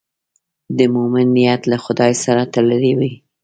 د مؤمن نیت له خدای سره تړلی وي.